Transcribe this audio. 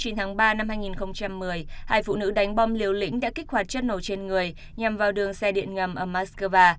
tháng ba năm hai nghìn một mươi hai phụ nữ đánh bom liều lĩnh đã kích hoạt chất nổ trên người nhằm vào đường xe điện ngầm ở moscow